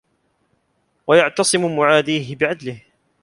وَيَعْتَصِمُ مُعَادِيهِ بِعَدْلِهِ